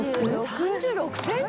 ３６ｃｍ？